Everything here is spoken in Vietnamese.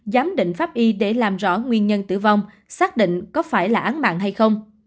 giám định pháp y để làm rõ nguyên nhân tử vong xác định có phải là án mạng hay không